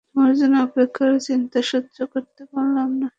তোমার জন্য অপেক্ষা আর চিন্তা সহ্য করতে পারলাম না।